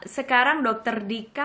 sekarang dokter dika